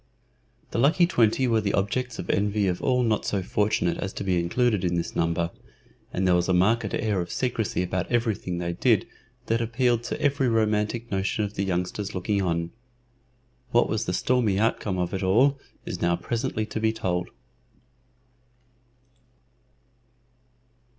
The lucky twenty were the objects of envy of all not so fortunate as to be included in this number, and there was a marked air of secrecy about everything they did that appealed to every romantic notion of the youngsters looking on. What was the stormy outcome of it all is now presently to be told.